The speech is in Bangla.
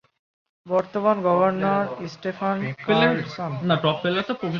বর্তমান গভর্নর স্টেফান কার্লসন।